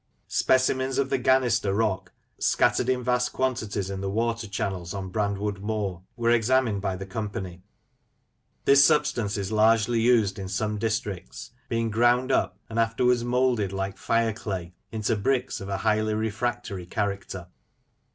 Specimens of the gannister rock, scattered in vast quantities in the water channels on Brandwood Moor, were examined by the company. This substance is largely used in some districts, being ground up, and afterwards moulded, like fire clay, into bricks of a highly refractory character.